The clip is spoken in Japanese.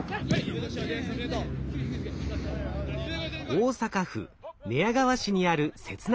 大阪府寝屋川市にある摂南大学。